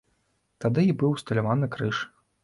Тады і быў усталяваны крыж.